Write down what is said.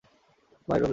By, Robin.